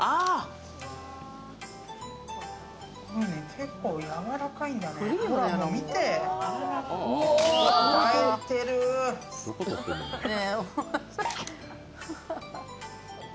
結構やわらかいんだね。